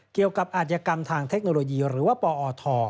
เกี่ยวกับอาจยกรรมทางเทคโนโลยีหรือว่าปอท